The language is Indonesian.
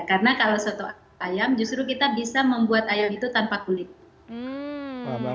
karena kalau soto ayam justru kita bisa membuat ayam itu tanpa kulit